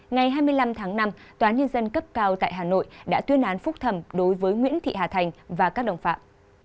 ngày hai mươi năm tháng năm tòa nhân dân cấp cao tại hà nội đã tuyên án phúc thẩm đối với nguyễn thị hà thành và các đồng phạm